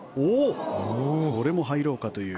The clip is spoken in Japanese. これも入ろうかという。